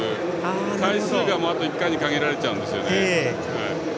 回数が、あともう１回に限られちゃうんですよね。